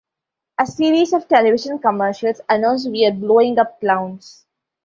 A series of television commercials announced We're blowing up clowns!